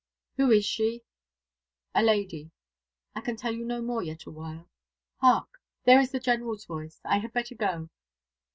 "Who is she?" "A lady. I can tell you no more yet awhile. Hark! there is the General's voice. I had better go.